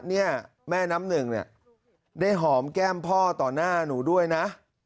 เนี่ยแม่น้ำหนึ่งเนี่ยได้หอมแก้มพ่อต่อหน้าหนูด้วยนะ